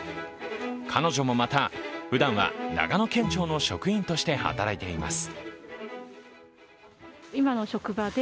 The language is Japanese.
彼女もまた、ふだんは長野県庁の職員として働いています。